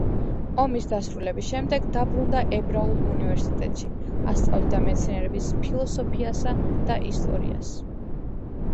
ომის დასრულების შემდეგ დაბრუნდა ებრაულ უნივერსიტეტში, ასწავლიდა მეცნიერების ფილოსოფიასა და ისტორიას.